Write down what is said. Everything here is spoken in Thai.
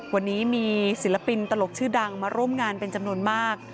วันนี้มีศิลปินตลกชื่อดังมาร่วมงานเป็นจำนวนมาก